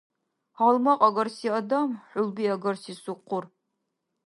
Гьалмагъ агарси адам — хӀулби агарси сукъур.